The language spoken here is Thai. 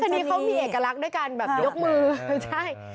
ชะนีเขามีเอกลักษณ์ด้วยการยกมือ